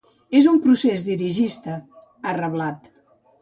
És un procés dirigista, ha reblat.